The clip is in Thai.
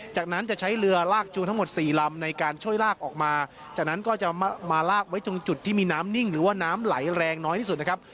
จากนั้นจะใช้เรือลากจูงทั้งหมดสี่ลำในการช่วยลากออกมาจากนั้นก็จะมาลากไว้ตรงจุดที่มีน้ำนิ่งหรือว่าน้ำไหลแรงน้อยที่สุดนะครับ